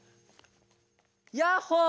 ヤッホー！